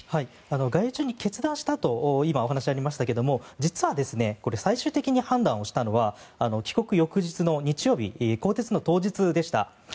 外遊中に決断したと今、お話がありましたが実は最終的に判断したのは帰国翌日の日曜日更迭の当日でした。